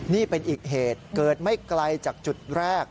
นี่เป็นอีกเหตุเกิดไม่ไกลจากจุดแรก